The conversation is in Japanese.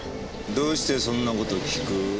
どうしてそんなこと聞く？